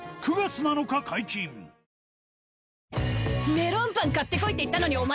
メロンパン買ってこいって言ったのにお前